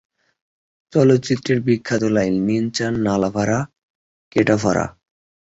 চলচ্চিত্রের বিখ্যাত লাইন, নেঙ্গা নাল্লাভারা কেটাভারা?